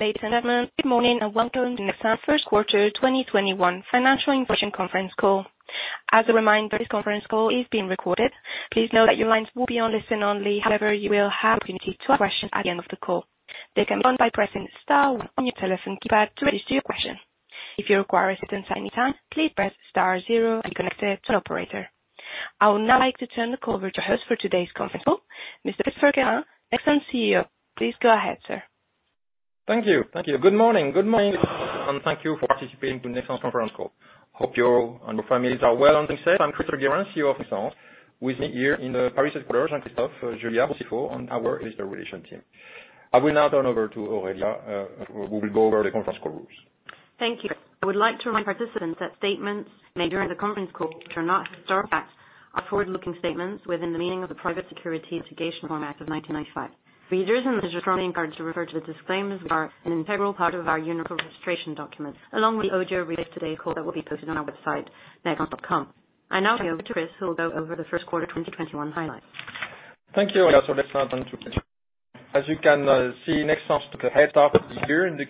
Ladies and gentlemen, good morning and welcome to Nexans' first quarter 2021 financial information conference call. As a reminder, this conference call is being recorded. Please note that your lines will be on listen-only mode; however, you will have the opportunity to ask questions at the end of the call. They can be done by pressing star one on your telephone keypad to register your question. If you require a assistance anytime please press star zero and you will be connected to an operator. I would now like to turn the call over to our host for today's conference call, Mr. Chris Guérin, Nexans CEO. Please go ahead, sir. Thank you. Thank you. Good morning. Good morning, and thank you for participating in the Nexans conference call. Hope you and your families are well and safe. I'm Chris Guérin, CEO of Nexans, with me here in Paris headquarters, Jean-Christophe Juillard, CFO and Aurélia, Head of Investor Relations team. I will now turn over to Aurélia. We will go over the conference call rules. Thank you. I would like to remind participants that statements made during the conference call are forward-looking statements within the meaning of the Private Securities Litigation Reform Act of 1995. Readers and listeners are strongly encouraged to refer to the disclaimers which are an integral part of our uniform registration document, along with the audio replay today call that will be posted on our website, nexans.com. I now hand over to Chris, who will go over the first quarter 2021 highlights. Thank you. Let's turn it on to page. As you can see, Nexans took a head start this year in the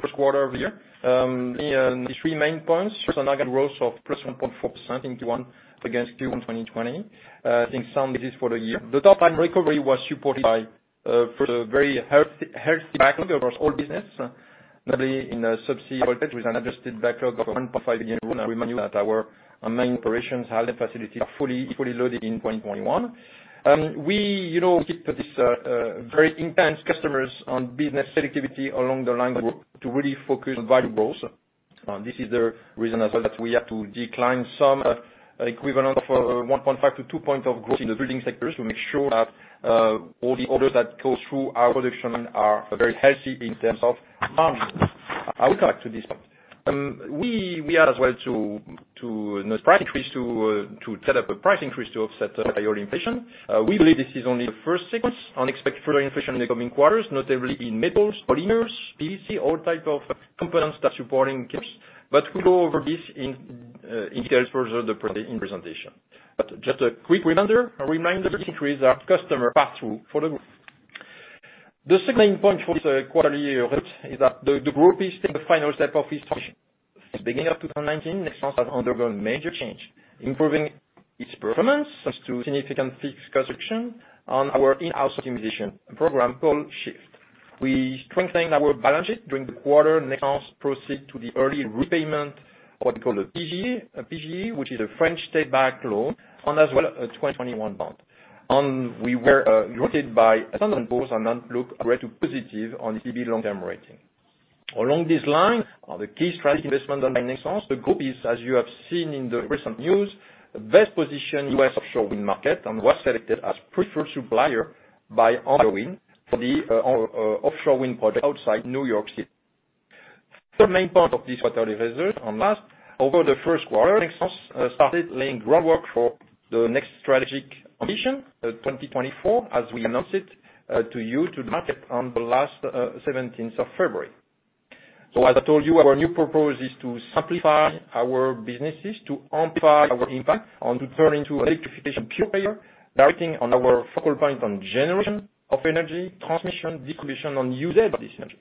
first quarter of the year. These three main points: first, an organic growth of +1.4% in Q1 against Q1 2020. I think some this is for the year. The top-time recovery was supported by, first, a very healthy backlog across all businesses, notably in Subsea High-Voltage, with an adjusted backlog of 1.5 billion euros in revenue that our, main operations, housing, facilities are fully loaded in 2021. We, you know, keep this, very intense customers and business selectivity along the lines of to really focus on value growth. This is the reason as well that we had to decline some, equivalent of 1.5points-2 points of growth in the Building sectors to make sure that all the orders that go through our production are very healthy in terms of margins. I will come back to this point. We had as well to notice price increase to set up a price increase to offset higher inflation. We believe this is only the first sequence. Unexpected further inflation in the coming quarters, notably in metals, polymers, PVC, all types of components that are supporting CapEx. We'll go over this in details further in the presentation. Just a quick reminder, these increases are customer pass-through for the group. The second main point for this quarterly results is that the group is taking the final step of its transition. Since beginning of 2019, Nexans has undergone major changes, improving its performance thanks to significant fixed cost reduction on our in-house optimization program called SHIFT. We strengthened our balance sheet during the quarter. Nexans proceeded to the early repayment of what we call the PGE, which is a French State-Backed loan. As well, 2021 bond. We were rated by S&P and now look greatly positive on S&P long-term rating. Along these lines, the key strategic investment done by Nexans, the group is, as you have seen in the recent news, the best-positioned U.S. offshore wind market and was selected as preferred supplier by Offshore Wind for the offshore wind project outside New York City. Third main point of this quarterly results, and last, over the first quarter, Nexans started laying groundwork for the next strategic ambition 2024, as we announced it to you, to the market on the last February 17th. As I told you, our new purpose is to simplify our businesses, to amplify our impact, and to turn into an electrification pure player, directing on our focal point on generation of energy, transmission, distribution, and use of this energy.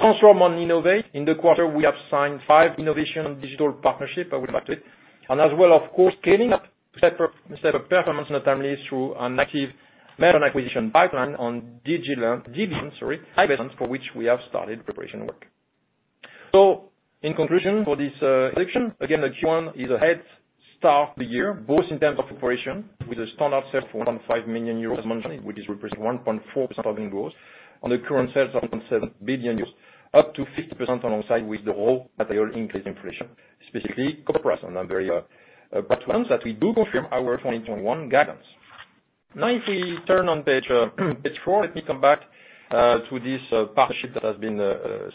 Transform and innovate, in the quarter, we have signed five innovation and digital partnerships. I will come back to it. As well, of course, scaling up to step up performance, not only through an active merger and acquisition pipeline on digital investments for which we have started preparation work. In conclusion, for this selection, again, the Q1 is a head start to the year, both in terms of operation, with a standard sales of 1.5 billion euros, as mentioned, which is representing 1.4% of revenue growth, and the current sales of 1.7 billion euros, up to 50% alongside with the role that they all increase inflation, specifically copper price, and I'm very proud to announce that we do confirm our 2021 guidance. If we turn on page four, let me come back to this partnership that has been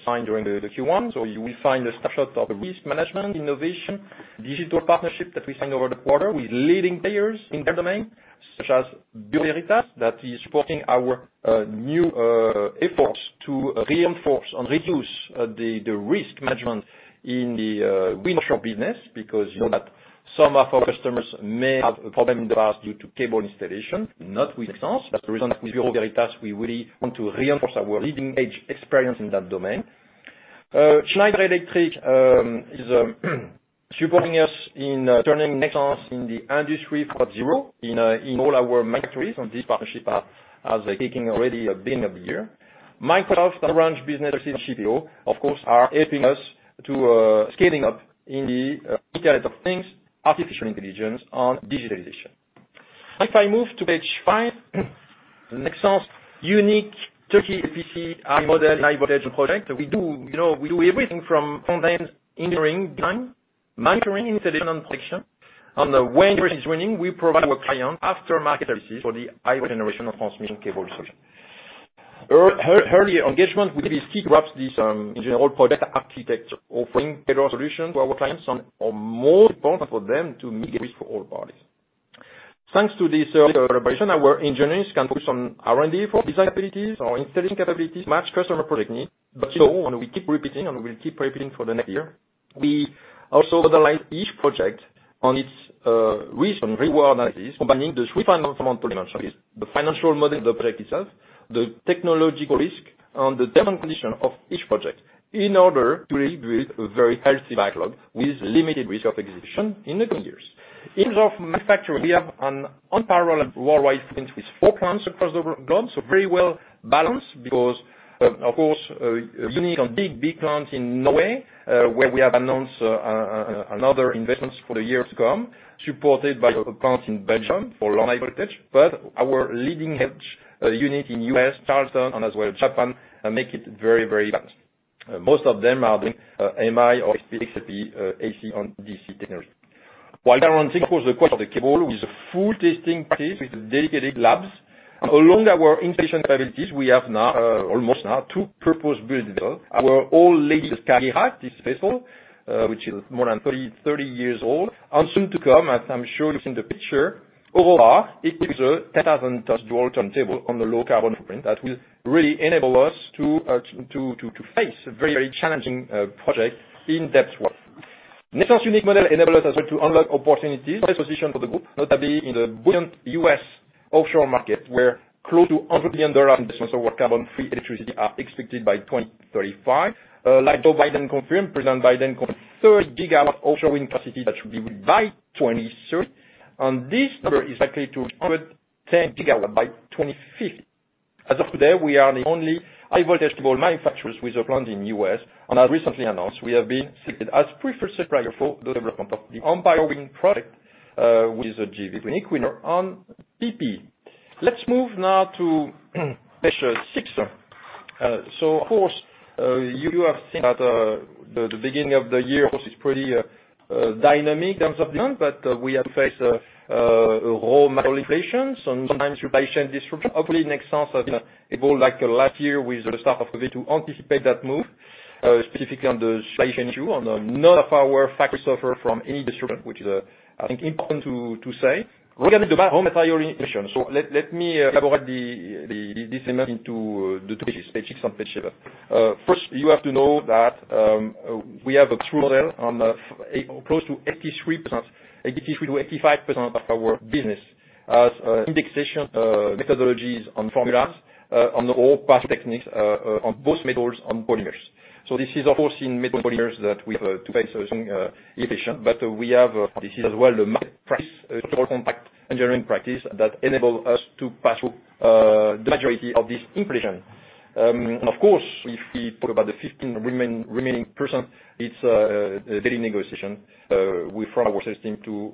signed during the Q1. You will find a snapshot of the risk management, innovation, digital partnership that we signed over the quarter with leading players in their domain, such as Bureau Veritas, that is supporting our efforts to reinforce and reduce the risk management in the Wind Offshore business, because, you know, that some of our customers may have a problem in the past due to cable installation, not with Nexans. That's the reason that with Bureau Veritas, we really want to reinforce our leading edge experience in that domain. Schneider Electric is supporting us in turning Nexans in the Industry 4.0 in all our manufacturers, and this partnership has taking already billion of the year. Microsoft, Orange Business, and [CPO] are helping us to scaling up in the Internet of Things, artificial intelligence, and digitalization. If I move to page five, Nexans' unique turnkey, [Subsea] High-Voltage project, we do, you know, we do everything from front-end engineering design, monitoring, installation, and protection. When the project is running, we provide our clients after-market services for the high-voltage generation and transmission cable distribution. Earlier engagement with Subsea wraps this, in general project architecture, offering better solutions to our clients, or more important for them, to mitigate risk for all parties. Thanks to this collaboration, our engineers can focus on R&D for design capabilities or installation capabilities, match customer project needs. Still, and we keep repeating, and we will keep repeating for the next year, we also analyze each project on its risk and reward analysis, combining the three fundamental dimensions: the financial model of the project itself, the technological risk, and the term and condition of each project, in order to really build a very healthy backlog with limited risk of execution in the coming years. In terms of manufacturing, we have an unparalleled worldwide footprint with four plants across the globe, very well balanced because, of course, unique and big plants in Norway, where we have announced another investment for the year to come, supported by a plant in Belgium for long-haul voltage. Our leading hedge unit in the U.S., Charleston, and as well Japan, make it very balanced. Most of them are doing MI or XLPE, AC on DC technology. While guaranteeing, of course, the quality of the cable with a full testing practice with dedicated labs, along our installation capabilities, we have almost now, two purpose-built vehicles. Our all-ladies Skagerrak, this vessel, which is more than 30 years old, and soon to come, as I'm sure you've seen the picture, Aurora, it gives a 10,000 tons dual-turn table on a low-carbon footprint that will really enable us to face very challenging projects in depth work. Nexans' unique model enables us as well to unlock opportunities, best position for the group, notably in the buoyant U.S. offshore market, where close to EUR 100 billion investments of carbon-free electricity are expected by 2035. Like Joe Biden confirmed, President Biden called 30 GW offshore wind capacity that should be ready by 2030. This number is likely to reach 110 GW by 2050. As of today, we are the only high-voltage cable manufacturers with a plant in the U.S., and as recently announced, we have been selected as preferred supplier for the development of the Empire Wind project, with Equinor and BP. Let's move now to page six. Of course, you have seen that the beginning of the year, of course, is pretty dynamic in terms of demand, but we have faced raw material inflation and sometimes supply chain disruption. Hopefully, Nexans has been able, like last year with the start of COVID, to anticipate that move, specifically on the supply chain issue, and none of our factories suffer from any disruption, which is, I think important to say. Regarding let me elaborate the segment into the two pages, page six and page seven. You have to know that, we have a true model on close to 83%, 83%-85% of our business as indexation, methodologies and formulas, on all pass-through techniques, on both metals and polymers. This is, of course, in metal and polymers that we have to face a soon, efficient. We have, this is as well the market practice, structural contract engineering practice that enables us to pass through the majority of this inflation. Of course, if we talk about the 15% remaining, it's daily negotiation with our sales team to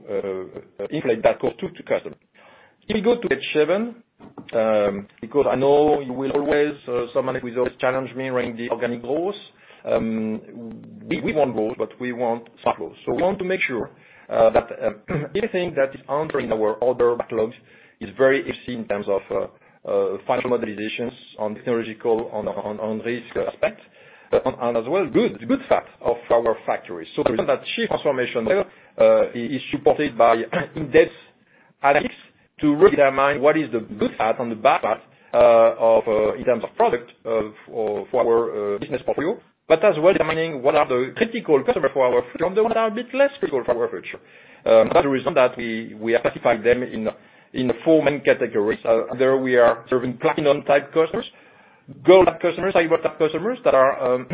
inflate that cost to customers. If we go to page seven, because I know you will always, someone will always challenge me around the organic growth, we want growth, but we want soft growth. We want to make sure that anything that is entering our order backlogs is very healthy in terms of final modernizations on technological, on risk aspects, and as well good fat of our factories. The reason that SHIFT transformation level is supported by in-depth analytics to really determine what is the good part and the bad part in terms of product for our business portfolio, but as well determining what are the critical customers for our future and the ones that are a bit less critical for our future. That's the reason that we have classified them in four main categories. Either we are serving platinum-type customers, gold-type customers, high-voltage customers that are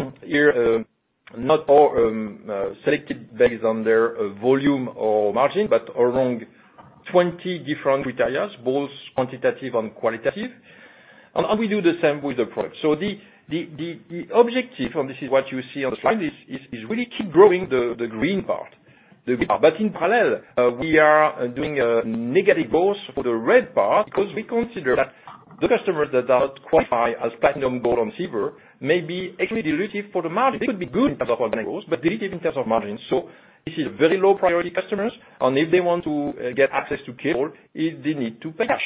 selected based on their volume or margin, but along 20 different criteria, both quantitative and qualitative. We do the same with the product. The objective, and this is what you see on the slide, is really keep growing the green part. In parallel, we are doing negative growth for the red part because we consider that the customers that are not qualified as platinum, gold, and silver may be actually dilutive for the margin. They could be good in terms of organic growth, but dilutive in terms of margins. This is very low-priority customers, and if they want to get access to cable, they need to pay cash.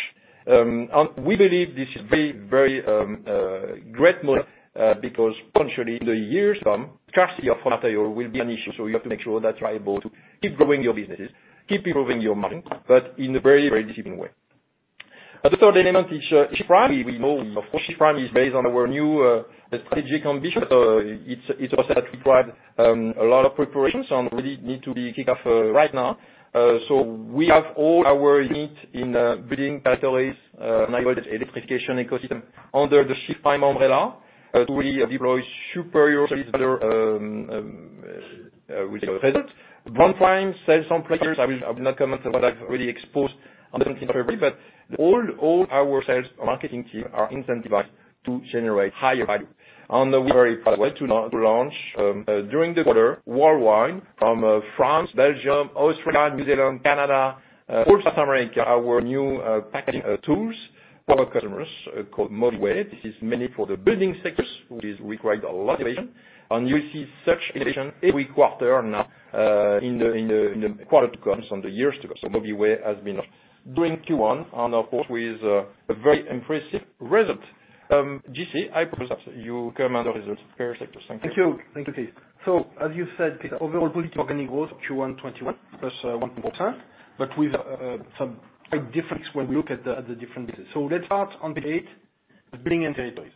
We believe this is very great model, because potentially, in the years to come, scarcity of raw material will be an issue. You have to make sure that you are able to keep growing your businesses, keep improving your margin, but in a very, very disciplined way. The third element is SHIFT Prime. We know, of course, SHIFT Prime is based on our new strategic ambition. It's also that we provide a lot of preparations and really need to be kicked off right now. We have all our units in Building & Territories, high-voltage electrification ecosystem under the SHIFT Prime umbrella to really deploy superior service, better with results. I will not comment on what I've really exposed on February 17th, but all our sales and marketing team are incentivized to generate higher value. We're very proud as well to launch, during the quarter, worldwide from France, Belgium, Austria, New Zealand, Canada, all South America, our new packaging tools for our customers, called MOBIWAY. This is mainly for the building sectors, which requires a lot of innovation. You'll see such innovation every quarter now, in the quarter to come and the years to come. MOBIWAY has been during Q1 and, of course, with a very impressive result. J.C., I propose that you come on the results per sector. Thank you. Thank you, Chris. As you said, Chris, overall positive organic growth Q1 2021, +1.4%, but with some slight difference when we look at the different businesses. Let's start on page eight, Building & Territories.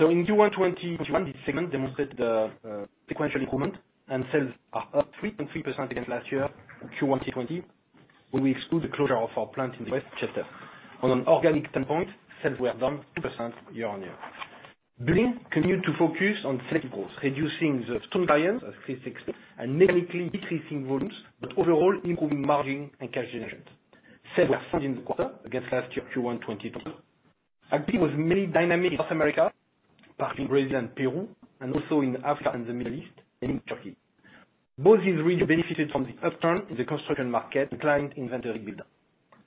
In Q1 2021, this segment demonstrated the sequential improvement, and sales are up 3.3% against last year Q1 2020, when we exclude the closure of our plant in Chester. On organic standpoint, sales were down 2% year-on-year. Building continued to focus on selective growth, reducing the some clients, as Chris explained, and mechanically decreasing volumes, but overall improving margin and cash generation. Sales were strong in the quarter against last year Q1 2020. Activity was mainly dynamic in South America, partly in Brazil and Peru, and also in Africa and the Middle East, mainly in Turkey. Both these regions benefited from the upturn in the construction market and client inventory buildup.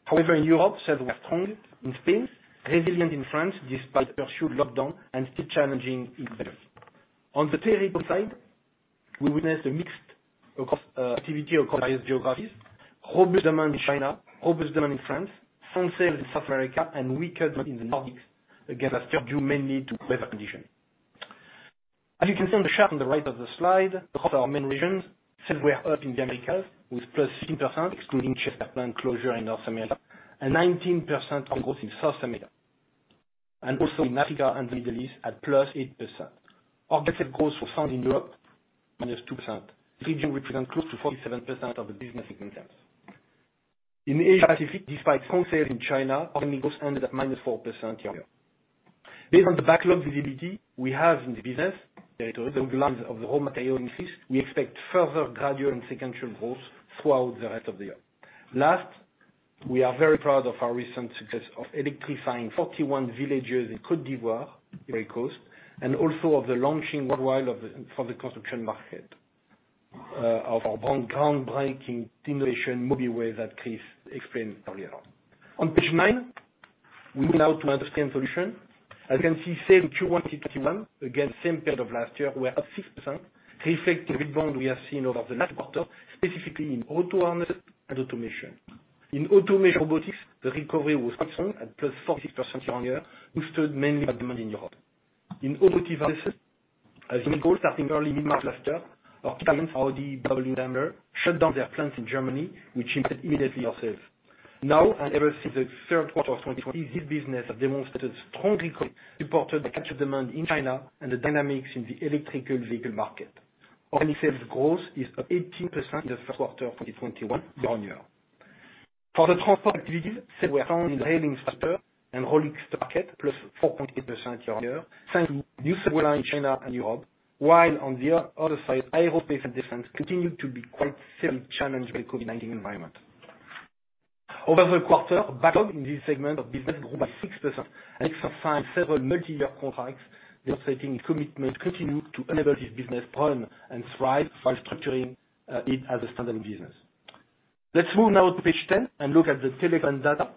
However, in Europe, sales were strong. In Spain, resilient in France despite pursued lockdown and still challenging its value. On the territorial side, we witnessed a mixed activity across various geographies, robust demand in China, robust demand in France, strong sales in South America, and weaker demand in the Nordics against last year, due mainly to weather conditions. As you can see on the chart on the right of the slide, across our main regions, sales were up in the Americas with +15%, excluding Chester plant closure in North America, and 19% on growth in South America. Also in Africa and the Middle East at +8%. Organic sales growth was strong in Europe, -2%. This region represents close to 47% of the business in terms. In Asia-Pacific, despite strong sales in China, organic growth ended at -4% year-over-year. Based on the backlog visibility we have in the business territories, along the lines of the raw material increase, we expect further gradual and sequential growth throughout the rest of the year. Last, we are very proud of our recent success of electrifying 41 villages in Côte d'Ivoire, Ivory Coast, and also of the launching worldwide for the construction market, of our groundbreaking innovation, MOBIWAY, that Chris explained earlier on. On page nine, we move now to Industry & Solutions. As you can see, sales in Q1 2021 against the same period of last year were up 6%, reflecting the rebound we have seen over the last quarter, specifically in auto harnesses and automation. In automation robotics, the recovery was quite strong at +46% year-on-year, boosted mainly by demand in Europe. In automotive harnesses, as you may recall, starting early mid-March last year, our clients, Audi and Daimler, shut down their plants in Germany, which impacted immediately our sales. Now, and ever since the third quarter of 2020, this business has demonstrated strong recovery, supported the catch-up demand in China and the dynamics in the electrical vehicle market. Organic sales growth is up 18% in the first quarter of 2021 year-on-year. For the transport activities, sales were strong in the rail infrastructure and rolling stock market, +4.8% year-on-year, thanks to new subway lines in China and Europe, while on the other side, aerospace and defense continued to be quite severely challenged by the COVID-19 environment. Over the quarter, backlog in this segment of business grew by 6%. Nexans signed several multi-year contracts, demonstrating commitment to continue to enable this business to run and thrive while structuring it as a standalone business. Let's move now to page 10 and look at the Telecom & Data.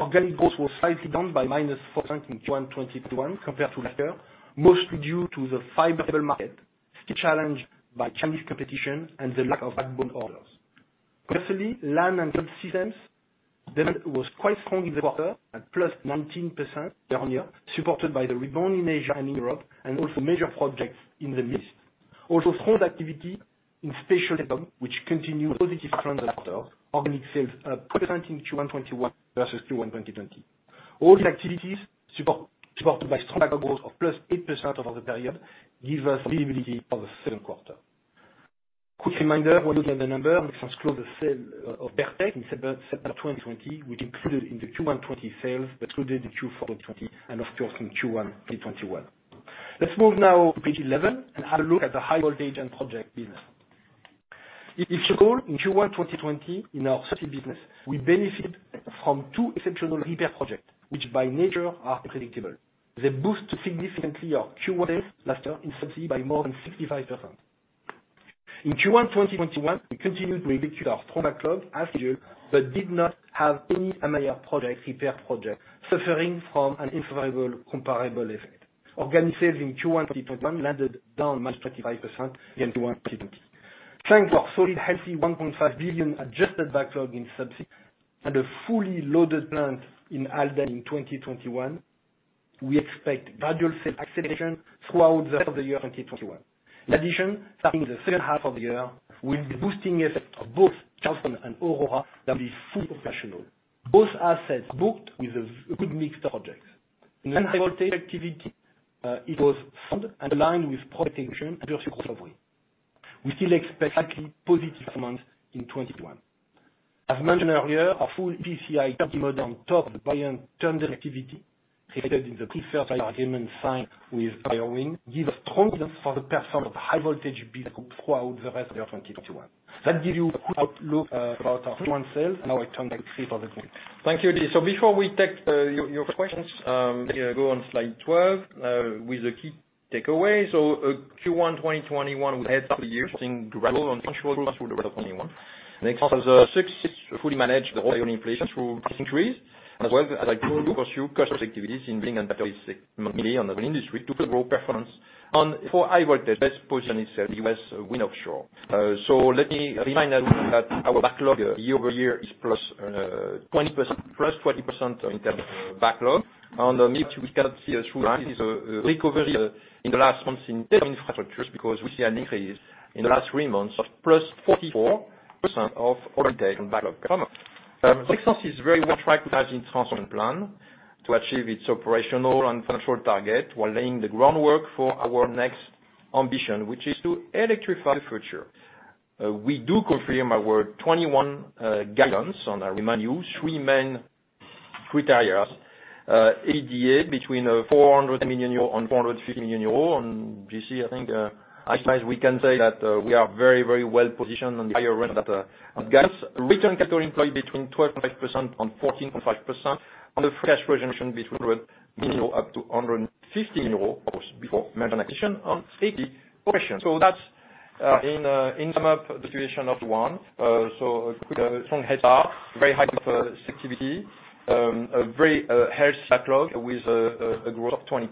Organic growth was slightly down by -4% in Q1 2021 compared to last year, mostly due to the fiber cable market, still challenged by Chinese competition and the lack of backbone orders. Conversely, land and grid systems demand was quite strong in the quarter at +19% year-on-year, supported by the rebound in Asia and in Europe and also major projects in the Middle East. Strong activity in Special Telecom, which continued positive trends in the quarter, organic sales +3% in Q1 2021 versus Q1 2020. All these activities supported by strong backlog growth of +8% over the period, give us visibility for the second quarter. Quick reminder. When you look at the number, Nexans closed the sale of Berk-Tek in October 2020, which included in the Q1 2020 sales, but excluded the Q4 2020 and, of course, in Q1 2021. Let's move now to page 11 and have a look at the high-voltage and project business. If you recall, in Q1 2020, in our subsea business, we benefited from two exceptional repair projects, which by nature are unpredictable. They boosted significantly our Q1 sales last year in subsea by more than 65%. In Q1 2021, we continued to execute our strong backlog as scheduled, but did not have any a major projects, repair projects, suffering from an unfavorable comparable effect. Organic sales in Q1 2021 landed down by 25% against Q1 2020. Thanks to our solid, healthy 1.5 billion adjusted backlog in subsea and the fully loaded plant in Halden in 2021, we expect gradual sales acceleration throughout the rest of the year 2021. Starting in the second half of the year, we'll be boosting the effect of both Charleston and Aurora that will be fully operational, both assets booked with a good mixed projects. In the high-voltage activity, it was strong and aligned with project engineering and pursuit recovery. We still expect likely positive performance in 2021. As mentioned earlier, our full EPCI 30 mode on top of the turnkey activity created in the preferred supplier agreement signed with Empire Wind gives us strong evidence for the performance of the high-voltage business group throughout the rest of the year 2021. That gives you a quick outlook about our Q1 sales. Now I turn back to Chris for the Q1. Thank you, Jean-Christophe. Before we take your questions, let me go on slide 12 with the key takeaways. Q1 2021 with the heads of the year showing gradual and sequential growth through the rest of 2021. Nexans has successfully managed the raw material inflation through price increase as well as I told you, pursued cost-effective activities in Building & Territories segment mainly on the rail industry to further grow performance. For high-voltage, the best position is the U.S. wind offshore. Let me remind that our backlog year-over-year is +20% in terms of backlog. Maybe what you cannot see through the lines is a recovery in the last months in telephone infrastructures because we see an increase in the last three months of +44% of orientation backlog performance. Nexans is very well tracked with us in transformation plan to achieve its operational and financial target while laying the groundwork for our next ambition, which is to electrify the future. We do confirm our 2021 guidelines, and I remind you, three main criteria, EBITDA between 400 million euro and 450 million euro. J.C., I think we can say that we are very well positioned on the higher end of that guidelines. Return capital employed between 12.5%-14.5%, and the free cash projection between 100 million-150 million euros, of course, before merger and acquisition and steady operations. That's in sum up the situation of Q1. A quick, strong heads up, very high level of effectiveness, a very healthy backlog with a growth of 20%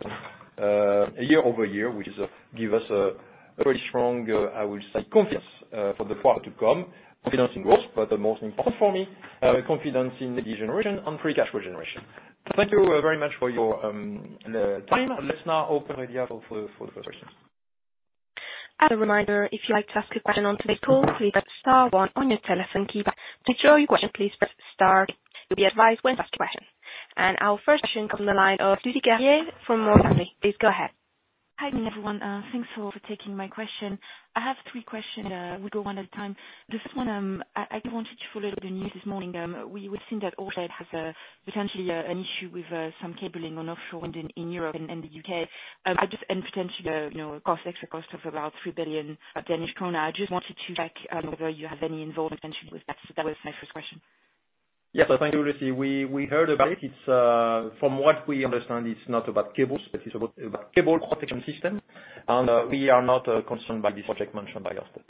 year-over-year, which gives us a pretty strong, I would say, confidence for the quarter to come, confidence in growth. The most important for me, confidence in EBITDA generation and free cash regeneration. Thank you very much for your time. Let's now open the area for the first questions. As a reminder, if you'd like to ask a question on today's call, please press star one on your telephone keypad. To ask your question, please press star. You'll be advised when to ask a question. Our first question comes on the line of Lucie Carrier from Morgan Stanley. Please go ahead. Hi everyone. Thanks for taking my question. I have three questions, we'll go one at a time. The first one, I wanted to follow up on the news this morning. we've seen that Ørsted has, potentially, an issue with, some cabling on offshore wind in Europe and, the U.K., and potentially, you know, an extra cost of about 3 billion Danish kroner. I just wanted to check, whether you have any involvement potentially with that. That was my first question. Yes, thank you, Lucie. We heard about it. From what we understand, it's not about cables, but it's about cable protection system. We are not, concerned by this project mentioned by Ørsted.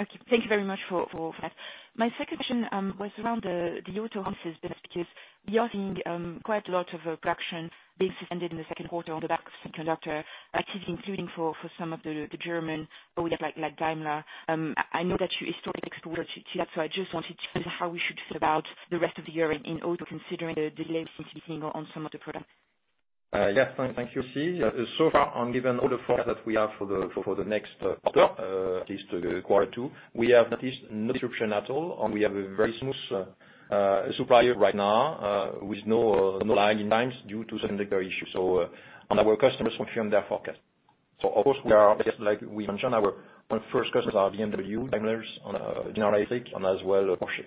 Okay. Thank you very much for that. My second question was around the Auto harnesses business because we are seeing production being suspended in the second quarter on the back of semiconductor activity, including for some of the German, we have like Daimler. I know that you're historically exposed to that, I just wanted to know how we should feel about the rest of the year in auto, considering the delays seem to be seeing on some of the products. Yes, thank you, Lucie. So far, given all the forecasts that we have for the next quarter, at least the quarter two, we have noticed no disruption at all, and we have a very smooth supplier right now, with no lag in times due to semiconductor issues. Our customers confirm their forecast. Of course, we are just like we mentioned, our first customers are BMW, Daimlers, and, General Electric, and as well, Porsche.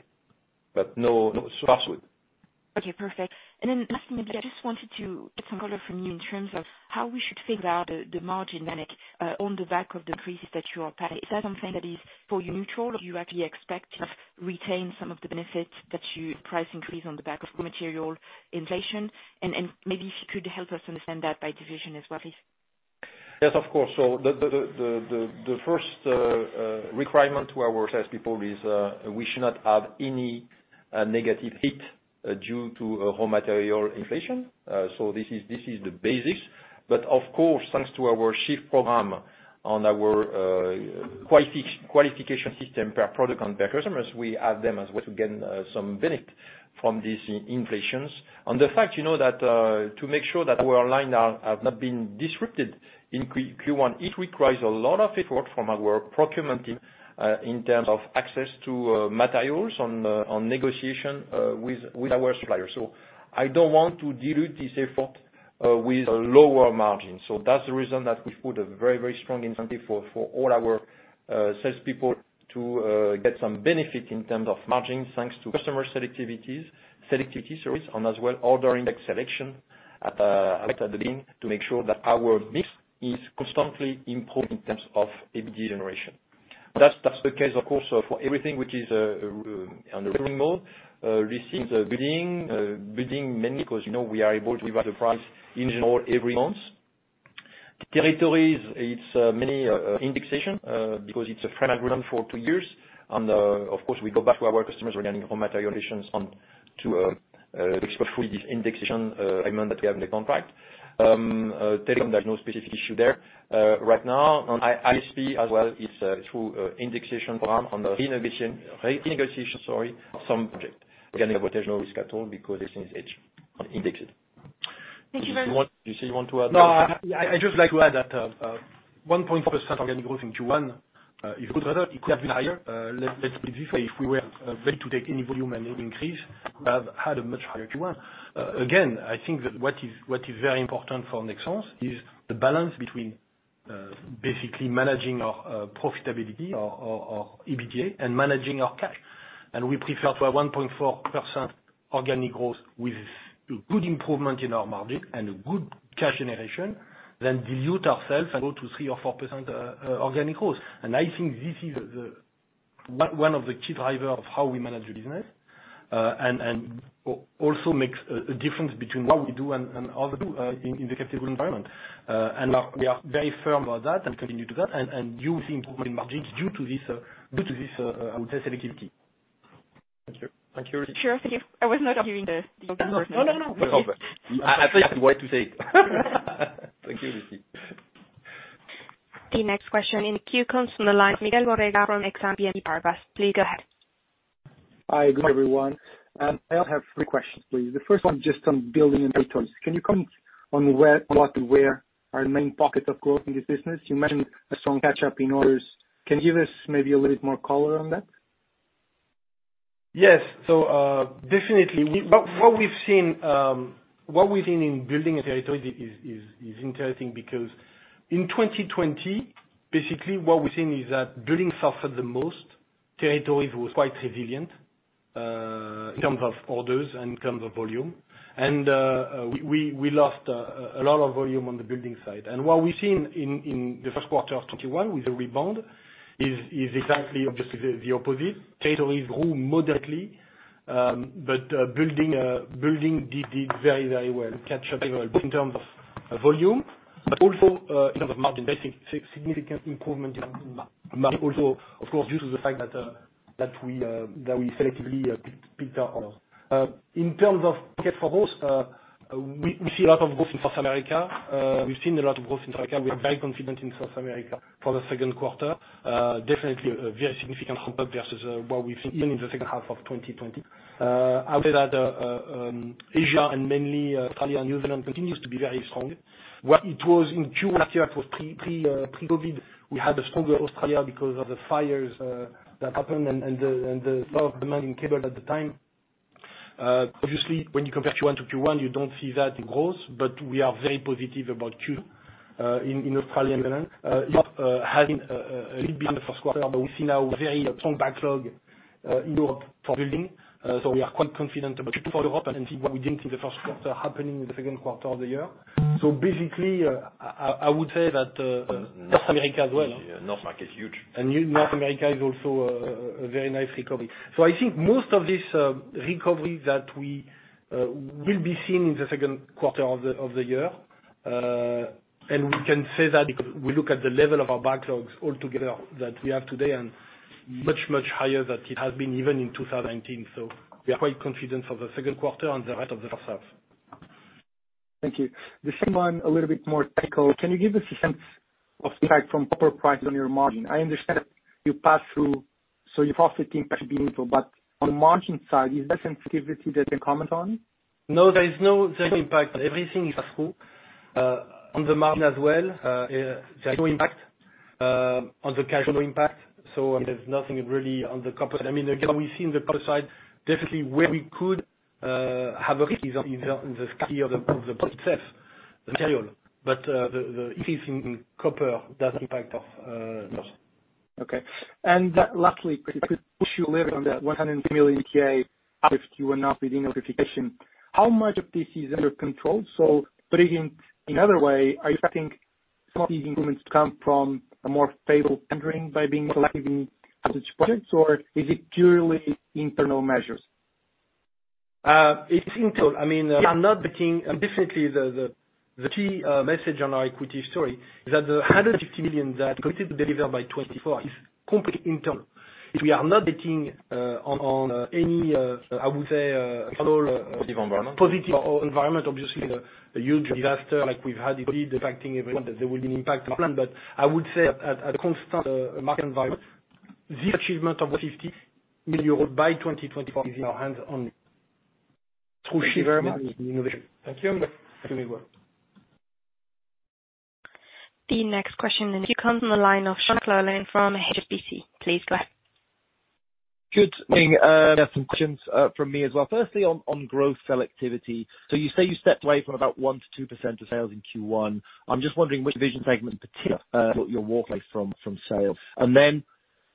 No, no fast food. Okay. Perfect. Lastly, maybe I just wanted to get some color from you in terms of how we should figure out the margin dynamic, on the back of the crisis that you are battling. Is that something that is for you neutral, or do you actually expect to retain some of the benefits that you price increase on the back of raw material inflation? And maybe if you could help us understand that by division as well, please. Yes, of course. The first, requirement to our salespeople is, we should not have any, negative hit, due to, raw material inflation. This is the basis. Of course, thanks to our SHIFT program on our qualification system per product and per customers, we have them as well to gain some benefit from these inflations. The fact, you know, that to make sure that our lines have not been disrupted in Q1, it requires a lot of effort from our procurement team in terms of access to materials on negotiation with our suppliers. I don't want to dilute this effort with a lower margin. That's the reason that we put a very, very strong incentive for all our salespeople to get some benefit in terms of margins thanks to customer selectivities, selectivity service, and as well order index selection affected the bidding to make sure that our mix is constantly improved in terms of EBITDA generation. That's the case, of course, for everything which is on the repairing mode. We sits at bidding mainly because, you know, we are able to revise the price in general every month. Territories, it's indexation, because it's a framework agreement for two years. Of course, we go back to our customers regarding raw material issues on to export fully this indexation agreement that we have in the contract. Telephone, there's no specific issue there. Right now, on ISP as well, it's through indexation program on the renegotiation, sorry, some project regarding the voltage. No risk at all because everything is edged and indexed. Thank you very much. Do you want to add? No, I just like to add that 1.4% organic growth in Q1, if you put it rather, it could have been higher. Let's be this way. If we were ready to take any volume and any increase, we would have had a much higher Q1. I think that what is very important for Nexans is the balance between, basically managing our profitability or EBITDA and managing our cash. We prefer to have 1.4% organic growth with a good improvement in our margin and a good cash generation than dilute ourselves and go to 3% or 4% organic growth. I think this is the one of the key drivers of how we manage the business, and also makes a difference between what we do and others do in the cable environment. We are very firm about that and continue to do that and use the improvement in margins due to this, I would say, selectivity. Thank you. Thank you, Lucie. Sure. Thank you. I was not hearing the organic growth number. No, no. I thought you had the word to say it. Thank you, Lucie. The next question in queue comes on the line of Miguel Borrega from Exane BNP Paribas. Please go ahead. Hi. Good morning, everyone. I'll have three questions, please. The first one is just on Building & Territories. Can you comment on where, on what and where are the main pockets of growth in this business? You mentioned a strong catch-up in orders. Can you give us maybe a little bit more color on that? Yes. Definitely. What we've seen in Building & Territories is interesting because in 2020, basically, what we've seen is that building suffered the most. Territories were quite resilient, in terms of orders and in terms of volume. We lost a lot of volume on the Building side. What we've seen in the first quarter of 2021 with the rebound is exactly, obviously, the opposite. Territories grew moderately, but Building did very, very well, catch-up very well in terms of volume, but also, in terms of margin. I think significant improvement in margin, also, of course, due to the fact that we selectively picked our orders. In terms of pocket for growth, we see a lot of growth in South America. We've seen a lot of growth in South America. We are very confident in South America for the second quarter. Definitely, a very significant hump up versus what we've seen even in the second half of 2020. I would say that Asia and mainly Australia and New Zealand continues to be very strong. Where it was in Q1 last year, it was pre-COVID, we had a stronger Australia because of the fires that happened and the lower demand in cable at the time. Obviously, when you compare Q1-Q1, you do not see that in growth, but we are very positive about Q2 in Australia and New Zealand. Europe has been a little behind the first quarter, but we see now very strong backlog in Europe for Building. We are quite confident about Q2 for Europe and see what we did not see in the first quarter happening in the second quarter of the year. Basically, I would say that North America as well- North America is huge. ...New North America is also a very nice recovery. I think most of this recovery that we will be seeing in the second quarter of the year, and we can say that because we look at the level of our backlogs altogether that we have today and much higher than it has been even in 2019. We are quite confident for the second quarter and the rest of the first half. Thank you. The same one, a little bit more technical. Can you give us a sense of impact from copper price on your margin? I understand that you pass through, so your profit team has been into, but on the margin side, is there sensitivity that you can comment on? No, there is no impact. Everything pass through. On the margin as well, there's no impact. On the cash, no impact. I mean, there's nothing really on the copper side. I mean, again, we see in the copper side, definitely, where we could, have a risk is on, is on the scarcity of the, of the product itself, the material. The issues in copper doesn't impact us, much. Okay. Lastly, if you live on that 150 million uplift you were not within notification, how much of this is under control? Putting it in another way, are you expecting some of these improvements to come from a more favorable tendering by being selective in such projects, or is it purely internal measures? it's internal. I mean, we are not getting definitely, the, the key, message on our equity story is that the 150 million that we need to deliver by 2024 is completely internal. We are not getting, on any, I would say, external- Positive environment. ...positive environment, obviously, a huge disaster like we've had is really impacting everyone, that there will be an impact on our plan. I would say at a constant market environment, this achievement of 150 million euros by 2024 is in our hands only through SHIFT and innovation. Thank you, Jean-Christophe. Thank you, Miguel. The next question comes on the line of Sean McLoughlin from HSBC. Please go ahead. Good evening. We have some questions from me as well. Firstly, on growth selectivity. You say you stepped away from about 1%-2% of sales in Q1. I'm just wondering which division segment in particular, you walk away from sales.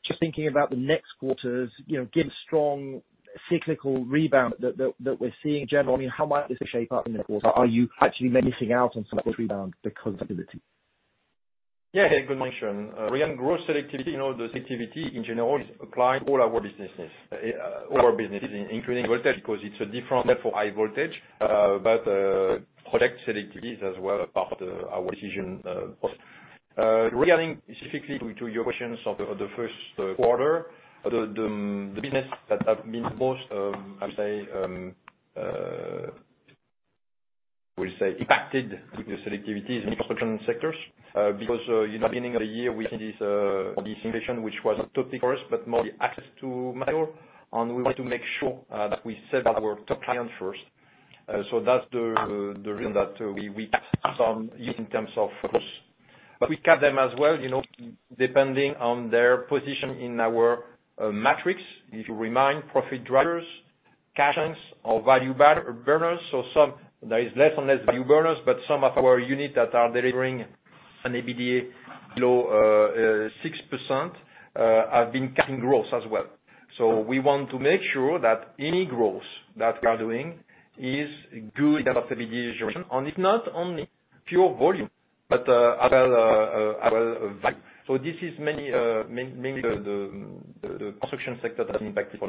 Just thinking about the next quarters, you know, given the strong cyclical rebound that we're seeing in general, I mean, how might this shape up in the quarter? Are you actually missing out on some of this rebound because of activity? Yeah. Yeah. Good mention, Sean. Again, growth selectivity, you know, the selectivity in general is applied to all our businesses, including voltage because it's a different net for high voltage, project selectivity is as well a part of our decision process. Regarding specifically to your questions of the first quarter, the business that have been most impacted with the selectivity is the infrastructure sectors, because, you know, beginning of the year, we see this inflation, which was a topic for us, but more the access to material. We wanted to make sure that we serve our top clients first. That's the reason that we cap some units in terms of cost. We cap them as well, you know, depending on their position in our matrix. If you remind, profit drivers, cash chains, or value burners, so some there is less and less value burners, but some of our units that are delivering an EBITDA below 6%, have been capping growth as well. We want to make sure that any growth that we are doing is good in terms of EBITDA generation. It's not only pure volume, but as well, value. This is mainly the construction sector that's impacted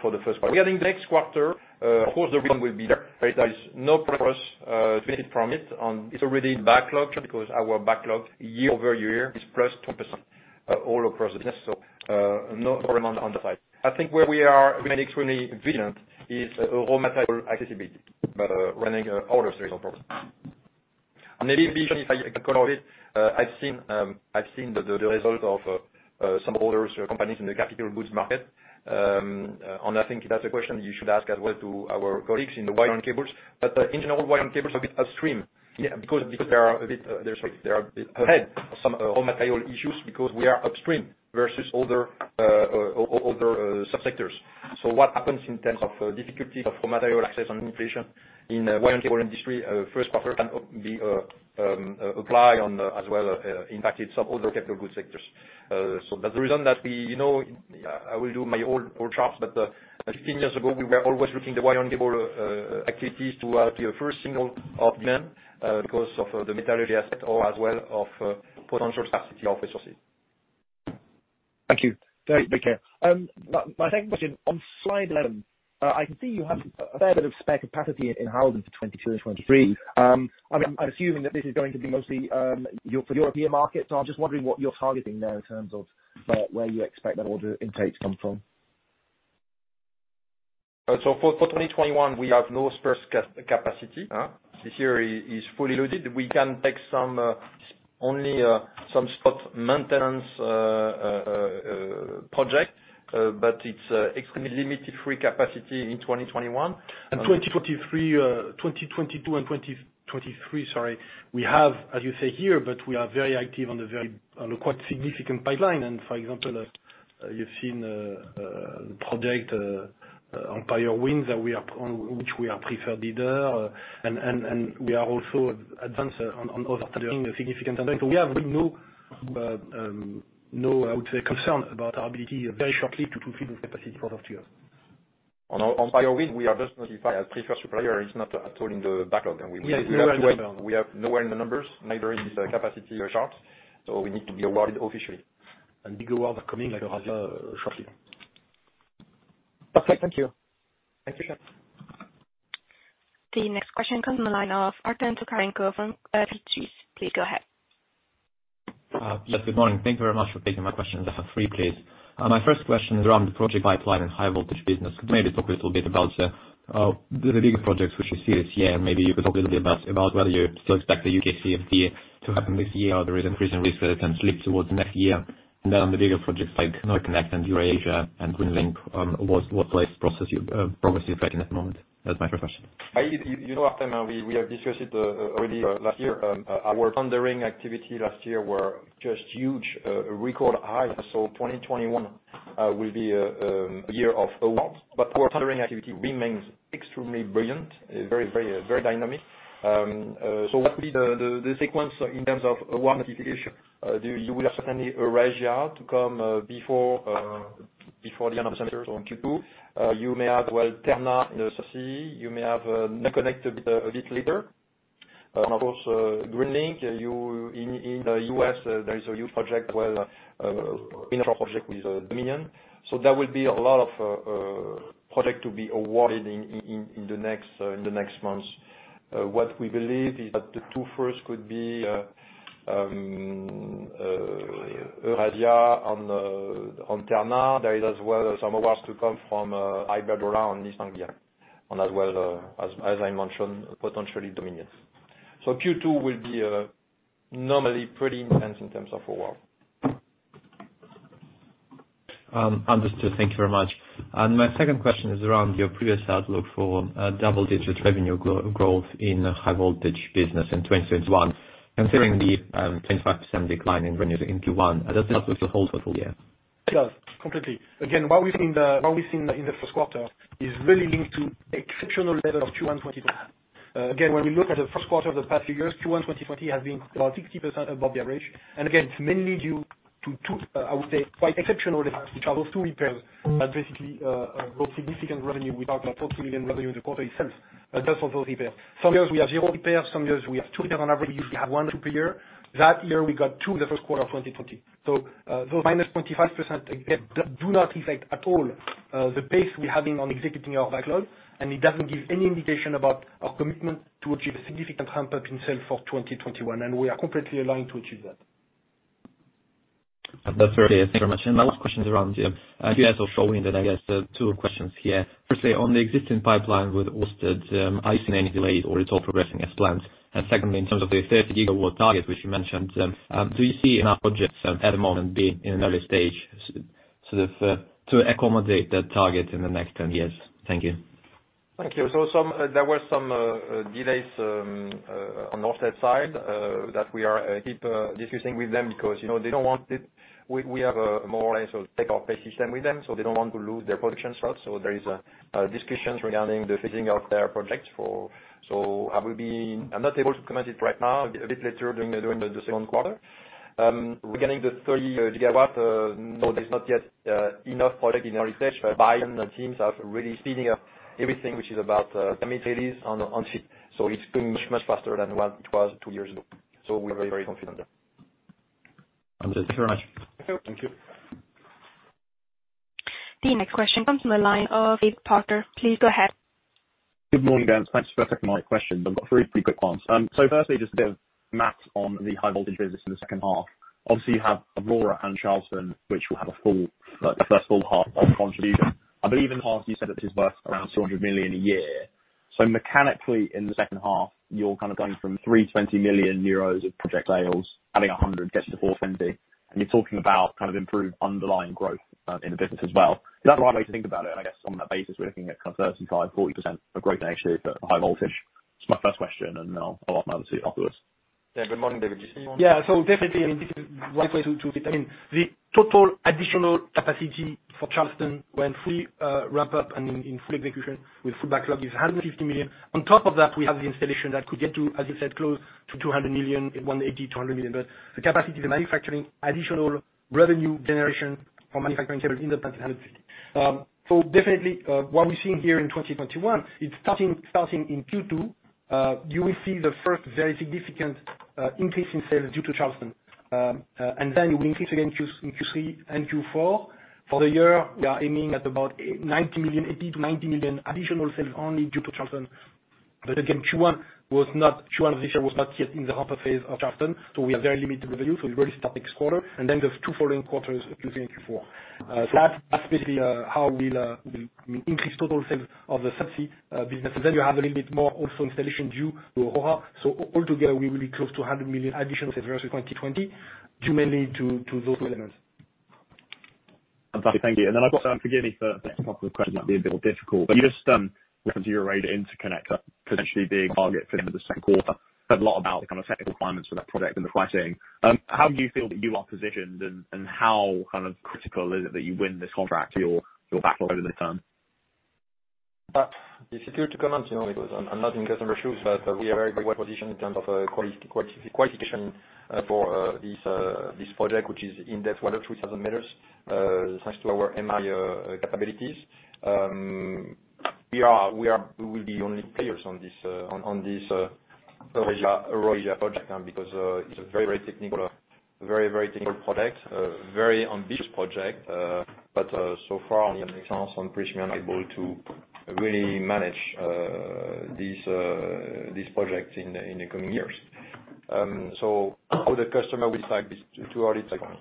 for the first quarter. Regarding next quarter, of course, the rebound will be there. There is no progress, to benefit from it. It's already in backlog because our backlog year-over-year is +20%, all across the business. No remote on the side. I think where we are remaining extremely vigilant is raw material accessibility. Running orders, there is no problem. On EBITDA, if I can color a bit, I've seen the result of some orders, companies in the capital goods market. I think that's a question you should ask as well to our colleagues in the wire and cables. In general, wire and cables are a bit upstream because they are a bit ahead of some raw material issues because we are upstream versus other subsectors. What happens in terms of difficulty of raw material access and inflation in the wire and cable industry, first quarter can be applied on, as well, impacted some other capital goods sectors. That's the reason that we, you know, I will do my old charts, but 15 years ago, we were always looking at the wire and cable activities to be a first signal of demand because of the metallurgy asset or as well as potential scarcity of resources. Thank you. Very careful. my second question, on slide 11, I can see you have a fair bit of spare capacity in Halden for 2022 and 2023. I mean, I'm assuming that this is going to be mostly for the European market. I'm just wondering what you're targeting there in terms of where you expect that order intake to come from? For 2021, we have no spare capacity, huh. This year is fully loaded. We can take some spot maintenance project, but it's extremely limited free capacity in 2021. 2022 and 2023, we have, as you say here, we are very active on a quite significant pipeline. For example, you've seen Empire Wind that we are on which we are preferred leader. We are also advanced on other tendering, significant tendering. We have really no, I would say, concern about our ability very shortly to fill this capacity for the future. On Empire Wind, we are just notified as preferred supplier. It's not at all in the backlog. We have nowhere in the numbers, neither in this capacity charts. We need to be awarded officially. Big awards are coming, like EuroAsia, shortly. Perfect. Thank you. Thank you, Sean. The next question comes on the line of Artem Tokarenko from Credit Suisse. Please go ahead. Good morning. Thank you very much for taking my questions at 3:00, please. My first question is around the project pipeline and high-voltage business. Could maybe talk a little bit about the bigger projects which you see this year, and maybe you could talk a little bit about whether you still expect the U.K. [CFD] to happen this year or there is an increasing risk that it can slip towards next year. On the bigger projects like NorthConnect and EuroAsia and Greenlink, what progress is tracking at the moment? That's my first question. Artem, we have discussed it, already, last year. Our tendering activity last year were just huge, record high, so 2021 will be a year of awards. Our tendering activity remains extremely brilliant, very dynamic. What will be the sequence in terms of award notification? You will have certainly EuroAsia to come before the end of the semester, in Q2? You may have as well Terna in the CEC. You may have NorthConnect a bit later. Of course, Greenlink, you in the U.S., there is a huge project as well, wind offshore project with Dominion. There will be a lot of projects to be awarded in the next months. What we believe is that the two first could be EuroAsia on Terna. There is as well some awards to come from Iberdrola on East Anglia. As well, as I mentioned, potentially Dominion. Q2 will be normally pretty intense in terms of awards. Understood. Thank you very much. My second question is around your previous outlook for double-digit revenue growth in high-voltage business in 2021, considering the 25% decline in revenue in Q1. Does the outlook still hold for the full year? It does. Completely. Again, what we've seen in the first quarter is really linked to the exceptional level of Q1 2020. Again, when we look at the first quarter of the past few years, Q1 2020 has been about 60% above the average. Again, it's mainly due to two, I would say, quite exceptional levels, which are those two repairs that basically brought significant revenue. We talk about 40 million revenue in the quarter itself, just for those repairs. Some years, we have zero repairs. Some years, we have two repairs on average. We usually have one or two per year. That year, we got wo in the first quarter of 2020. Those -25%, again, do not reflect at all, the pace we're having on executing our backlog. It doesn't give any indication about our commitment to achieve a significant ramp-up in sales for 2021. We are completely aligned to achieve that. That's very thank you very much. My last question is around, you guys are following, I guess, two questions here. Firstly, on the existing pipeline with Ørsted, are you seeing any delays or it's all progressing as planned? Secondly, in terms of the 30 GW target which you mentioned, do you see enough budgets, at the moment being in an early stage, sort of, to accommodate that target in the next 10 years? Thank you. Thank you. There were some delays on Ørsted's side that we keep discussing with them because, you know, they don't want it, we have more or less take our pay system with them. They don't want to lose their production slots. There is a discussion regarding the phasing of their project for so I'm not able to comment it right now. A bit later during the second quarter. Regarding the 30 GW, no, there's not yet enough project in early stage. [Bion] teams are really speeding up everything which is about permit release on ship. It's going much faster than what it was two years ago. We are very confident there. Understood. Thank you very much. Thank you. Thank you The next question comes on the line of David Parker. Please go ahead. Good morning guys. Thanks for taking my questions. I've got three pretty quick ones. Firstly, just a bit of math on the high-voltage business in the second half. Obviously, you have Aurora and Charleston, which will have a first full half of contribution. I believe in the past, you said that it's worth around 200 million a year. Mechanically, in the second half, you're kind of going from 320 million euros of project sales, adding 100 million gets you to 420 million. You're talking about kind of improved underlying growth in the business as well. Is that the right way to think about it? I guess on that basis, we're looking at kind of 35%-40% of growth annuity for high-voltage. It's my first question, and I'll ask my other two afterwards. Yeah. Good morning, David. Did you say you want to? Yeah. Definitely, I mean, this is right way to it. I mean, the total additional capacity for Charleston when fully ramp-up and in full execution with full backlog is 150 million. On top of that, we have the installation that could get to, as you said, close to 200 million, 180 million-200 million. The capacity, the manufacturing, additional revenue generation for manufacturing cables in the plant is 150 million. Definitely, what we're seeing here in 2021, it's starting in Q2, you will see the first very significant increase in sales due to Charleston. Then it will increase again in Q3 and Q4. For the year, we are aiming at about 90 million, 80 million-90 million additional sales only due to Charleston. Again, Q1 was not Q1 of this year was not yet in the ramp-up phase of Charleston. We have very limited revenue. We really start next quarter, and then the two following quarters, Q3 and Q4. That's basically how we'll increase total sales of the subsea business. You have a little bit more also installation due to Aurora. Altogether, we will be close to 100 million additional sales versus 2020, due mainly to those two elements. Perfect. Thank you. I've got some forgive me for the next couple of questions might be a bit more difficult. You just referenced your EuroAsia Interconnector, potentially being a target for the second quarter. You said a lot about the kind of technical climates for that project and the pricing. How do you feel that you are positioned and how kind of critical is it that you win this contract, your backlog over the term? It's easier to comment, you know, because I'm not in customer shoes. We are very well positioned in terms of quality, qualification for this project, which is in-depth 103,000 m, thanks to our MI capabilities. We will be the only players on this EuroAsia project, because it's a very technical, very ambitious project. So far, only Nexans and Prysmian are able to really manage this project in the coming years. How the customer will decide is too early, it's late for me.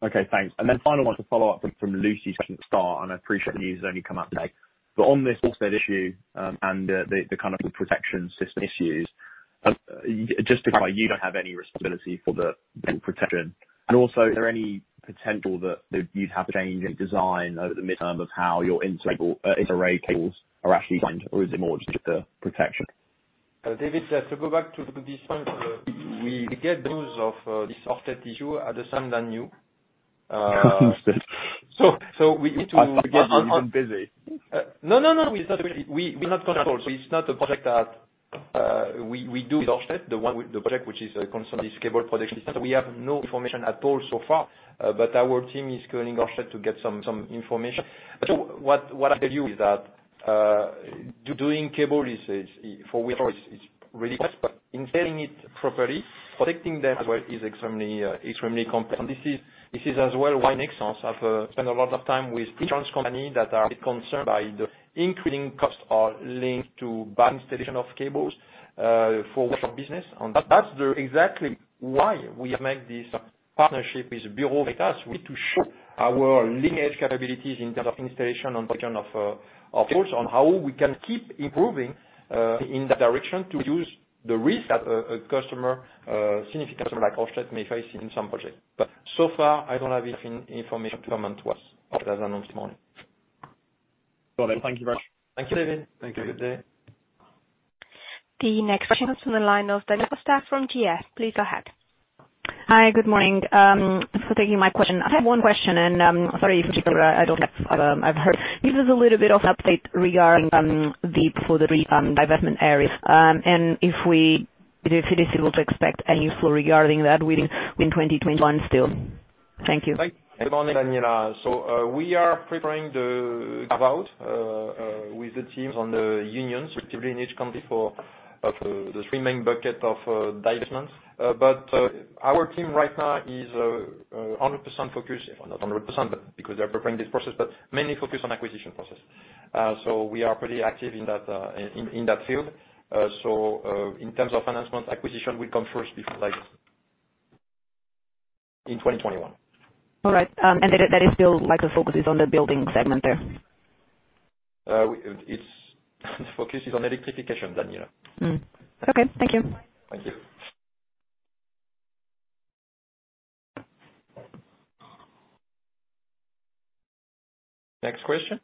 Okay. Thanks. Then final one to follow up from Lucie's question at the start. I appreciate the issues only come up today. On this Ørsted issue, the kind of the protection system issues, just to clarify, you don't have any responsibility for the protection. Also, is there any potential that you'd have to change any design over the midterm of how your inter-array cables are actually designed? Is it more just the protection? David, to go back to this point, we get news of this Ørsted issue at the same time as you. Understood. We need to get you. I'm busy. No, It's not really. We're not going at all. It's not a project that we do with Ørsted, the one with the project which is concerning this cable protection system. We have no information at all so far. Our team is calling Ørsted to get some information. What I tell you is that doing cable is for wind, it is really fast. Installing it properly, protecting them as well is extremely complex. This is as well why Nexans have spent a lot of time with insurance companies that are a bit concerned by the increasing costs are linked to bad installation of cables, for wind business. That is exactly why we have made this partnership with Bureau Veritas, really to show our leading capabilities in terms of installation on the reliability of cables, on how we can keep improving in that direction to reduce the risk that a customer, significant customer like Ørsted may face in some projects. So far, I don't have enough information to comment to us as announced this morning. Got it. Thank you very much. Thank you, David. Thank you. Have a good day. The next question comes on the line of Daniela Costa from GS. Please go ahead. Hi. Good morning. Thank you for taking my question. I have one question. Sorry if you digress, but I've heard you give us a little bit of an update regarding the divestment area. If it is able to expect any flow regarding that within 2021 still. Thank you. Good morning, Daniela. We are preparing the carve-out, with the teams on the unions, respectively, in each country for the three main buckets of divestments. Our team right now is 100% focused not 100%, but because they're preparing this process, but mainly focused on acquisition process. We are pretty active in that field. In terms of financing, acquisition will come first before in 2021. All right. That is still the focus is on the building segment there? It's the focus is on electrification, Daniela. Okay. Thank you. Thank you. Next question.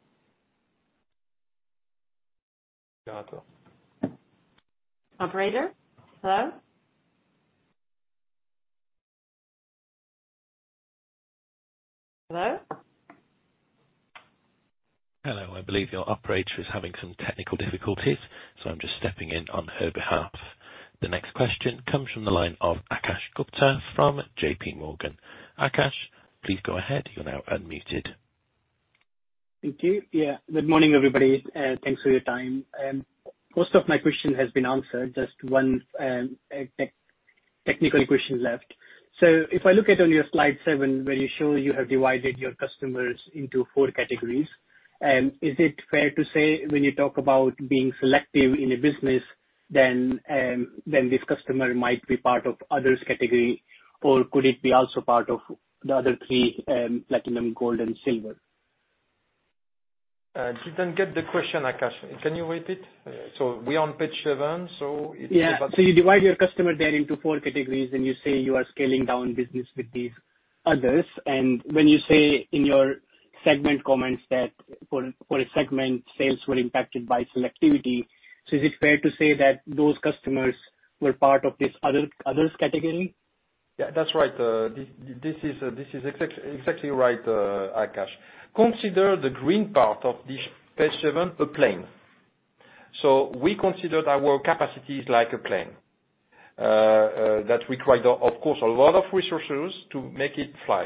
Operator? Hello. I believe your operator is having some technical difficulties. I'm just stepping in on her behalf. The next question comes from the line of Akash Gupta from JPMorgan. Akash, please go ahead. You're now unmuted. Thank you. Yeah. Good morning, everybody. Thanks for your time. Most of my question has been answered. Just one technical question left. If I look at on your slide seven where you show you have divided your customers into four categories, is it fair to say when you talk about being selective in a business, then this customer might be part of others' category? Or could it be also part of the other three, Platinum, Gold, and Silver? Didn't get the question, Akash. Can you repeat? We're on page seven. It's about. Yeah. You divide your customer there into four categories. You say you are scaling down business with these others. When you say in your segment comments that for a segment, sales were impacted by selectivity, is it fair to say that those customers were part of this other, others' category? Yeah. That's right. This is exactly right, Akash. Consider the green part of this page seven a plane. We considered our capacities like a plane, that required, of course, a lot of resources to make it fly.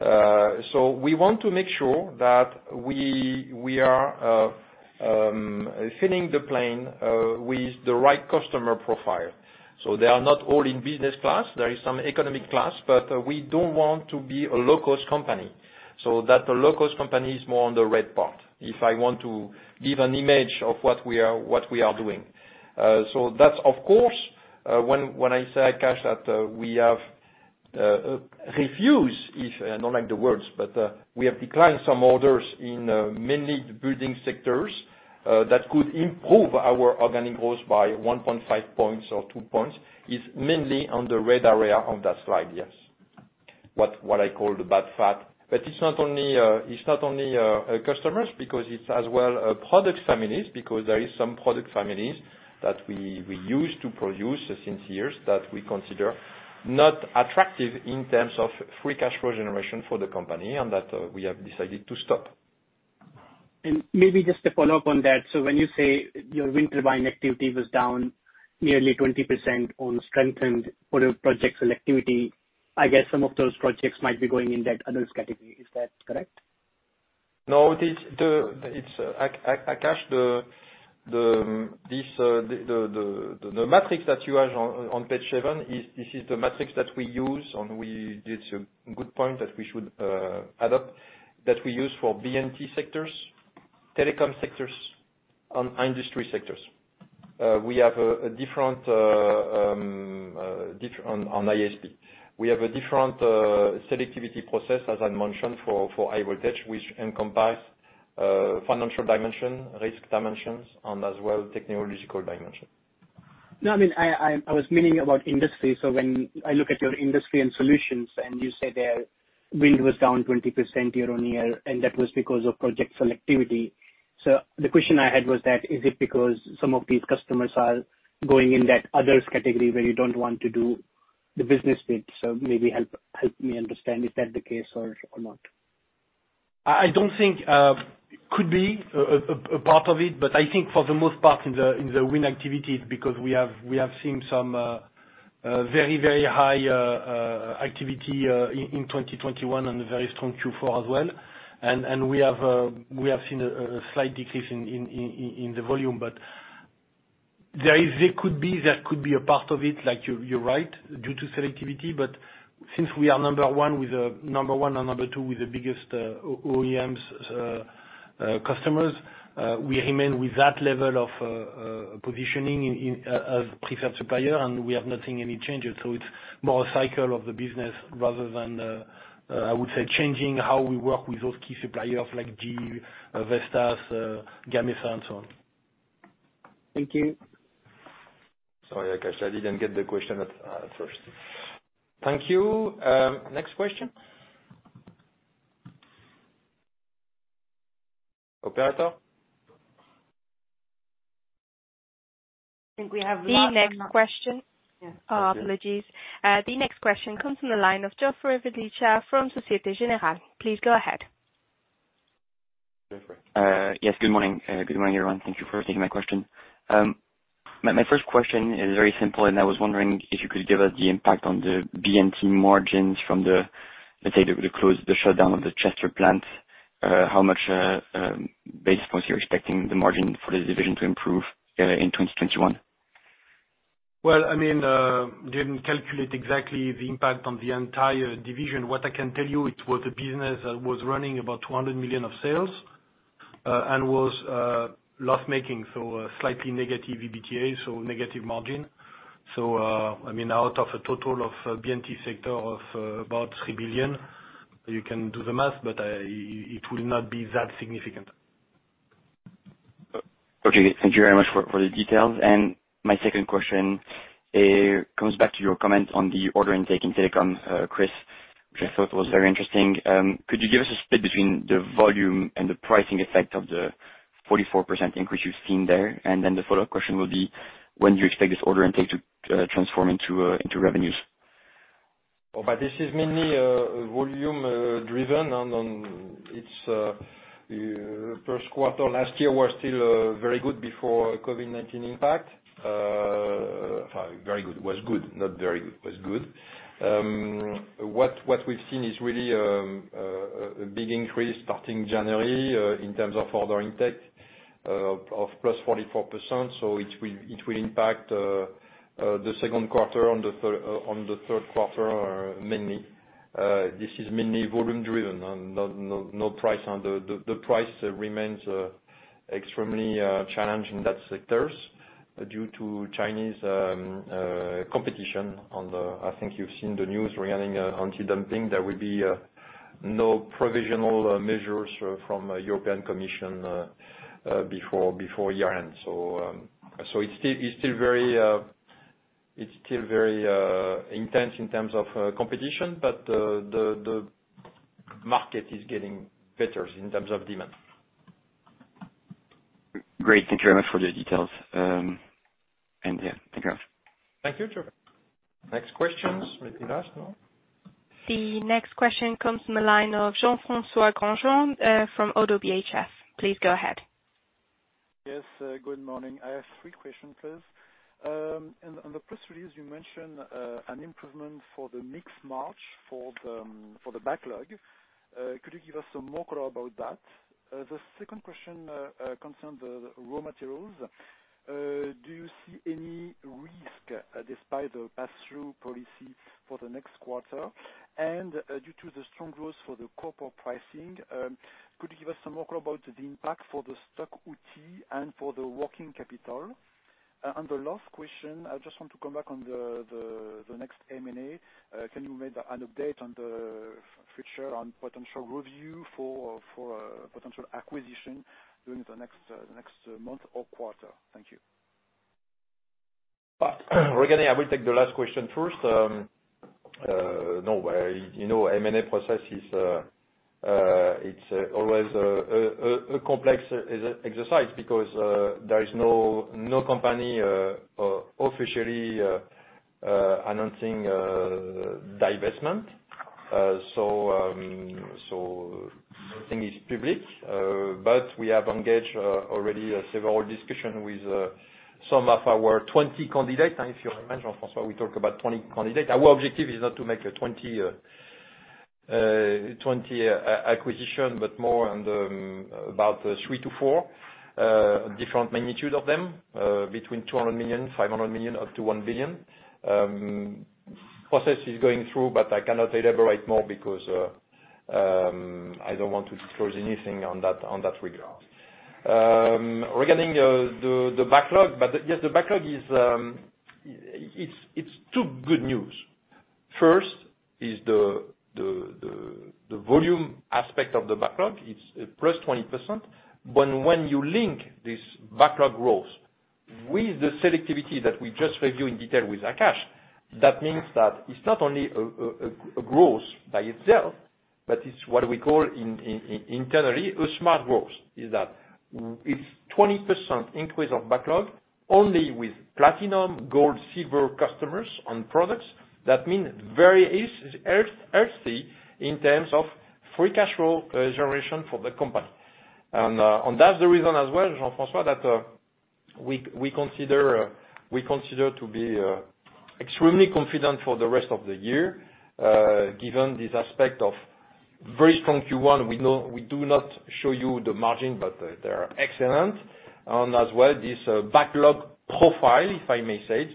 We want to make sure that we are filling the plane with the right customer profile. They are not all in business class. There is some economic class. We don't want to be a low-cost company. That the low-cost company is more on the red part, if I want to give an image of what we are doing. That's, of course, when I say, Akash, that, we have refused if I don't like the words. We have declined some orders in, mainly the building sectors, that could improve our organic growth by 1.5 points or 2 points is mainly on the red area on that slide, yes. What I call the bad fat. It's not only customers because it's as well product families because there is some product families that we use to produce since years that we consider not attractive in terms of free cash flow generation for the company and that we have decided to stop. Maybe just to follow up on that. When you say your wind turbine activity was down nearly 20% on strengthened for the project selectivity, I guess some of those projects might be going in that others' category. Is that correct? No. It is the it's Akash, the matrix that you have on page seven is this is the matrix that we use. We it's a good point that we should adopt that we use for B&T sectors, Telecom sectors, and Industry sectors. We have a different on ISP. We have a different selectivity process, as I mentioned, for high-voltage which encompass financial dimension, risk dimensions, and as well technological dimension. I mean, I was meaning about industry. When I look at your industry and solutions, and you say their wind was down 20% year-on-year, and that was because of project selectivity, the question I had was that is it because some of these customers are going in that others' category where you don't want to do the business bit? Maybe help me understand. Is that the case or not? I don't think, could be a part of it. I think for the most part, in the wind activity, it's because we have seen some, very, very high, activity, in 2021 and a very strong Q4 as well. We have seen a slight decrease in the volume. There could be a part of it, like you're right, due to selectivity. Since we are number one and number two with the biggest, OEMs, customers, we remain with that level of positioning as preferred supplier. We have not seen any changes. It's more a cycle of the business rather than, I would say, changing how we work with those key suppliers like GE, Vestas, Gamesa, and so on. Thank you. Sorry, Akash, I didn't get the question at first. Thank you. Next question. Operator? I think we have the last one. The next question. Oh, apologies. The next question comes on the line of [Geoffroy de Mendez] from Société Générale. Please go ahead, Geoffroy. Yes. Good morning. Good morning, everyone. Thank you for taking my question. My first question is very simple. I was wondering if you could give us the impact on the B&T margins from the shutdown of the Chester plant, how much, basis points you’re expecting the margin for the division to improve, in 2021? Well, I mean, I didn’t calculate exactly the impact on the entire division. What I can tell you, it was a business that was running about 200 million of sales, and was, loss-making. Slightly negative EBITDA, so negative margin. I mean, out of a total of, B&T sector of, about 3 billion, you can do the math. I it will not be that significant. Okay. Thank you very much for the details. My second question, comes back to your comment on the order intake in Telecom, Chris, which I thought was very interesting. Could you give us a split between the volume and the pricing effect of the 44% increase you've seen there? The follow-up question will be, when do you expect this order intake to transform into revenues? This is mainly volume driven. It's per quarter last year was still very good before COVID-19 impact. Very good. It was good. Not very good. It was good. What we've seen is really a big increase starting January, in terms of order intake, of +44%. It will impact the second quarter and the third, on the third quarter, mainly. This is mainly volume-driven. No price on the price remains extremely challenging in that sectors due to Chinese competition. I think you've seen the news regarding anti-dumping. There will be no provisional measures from European Commission before year-end. It's still very intense in terms of competition. The market is getting better in terms of demand. Great. Thank you very much for the details. Yeah. Thank you Chris. Thank you. Geoffroy. Next questions. Maybe last, no? The next question comes on the line of Jean-François Granjon, from Oddo BHF. Please go ahead. Yes. Good morning. I have three questions, please. In the press release, you mentioned an improvement for the mix margin for the backlog. Could you give us some more color about that? The second question concerned the raw materials. Do you see any risk, despite the pass-through policy for the next quarter? Due to the strong growth for the copper pricing, could you give us some more color about the impact for the stock effect and for the working capital? The last question, I just want to come back on the next M&A. Can you make an update on the future on potential review for potential acquisition during the next month or quarter? Thank you. Regarding I will take the last question first. No. You know, M&A process is always a complex exercise because there is no company officially announcing divestment. Nothing is public. We have engaged already several discussions with some of our 20 candidates. If you remember, Jean-François, we talk about 20 candidates. Our objective is not to make a 20 acquisition but more on the about three to four different magnitude of them, between 200 million, 500 million, up to 1 billion. Process is going through. I cannot elaborate more because I don't want to disclose anything on that regard. Regarding the backlog, yes, the backlog is two good news. First is the volume aspect of the backlog. It's +20%. When you link this backlog growth with the selectivity that we just reviewed in detail with Akash, that means that it's not only a growth by itself but it's what we call internally, a smart growth. It's a 20% increase of backlog only with Platinum, Gold, Silver customers on products. That means very easy, healthy in terms of free cash flow generation for the company. That's the reason as well, Jean-François, that we consider to be extremely confident for the rest of the year, given this aspect of very strong Q1. We know we do not show you the margin. They are excellent. As well, this backlog profile, if I may say it,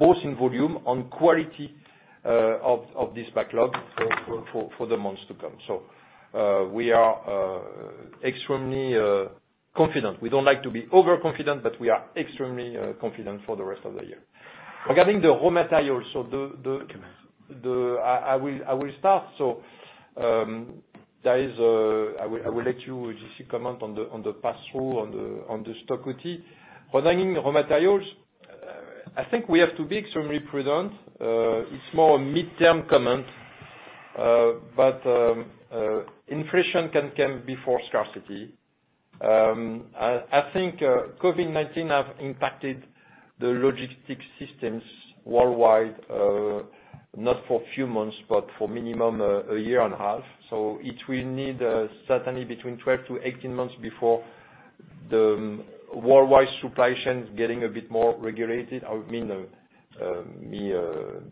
both in volume and quality of this backlog for the months to come. We are extremely confident. We don't like to be overconfident. We are extremely confident for the rest of the year. Regarding the raw materials, I will start. I will let you, J.C., comment on the pass-through on the stock effect. Regarding raw materials, I think we have to be extremely prudent. It's more a mid-term comment. Inflation can come before scarcity. I think COVID-19 have impacted the logistics systems worldwide, not for a few months but for minimum a year and a half. It will need certainly between 12-18 months before the worldwide supply chains getting a bit more regulated. I mean